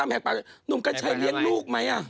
หนุ่มกัญชัยเรียนลูกไหม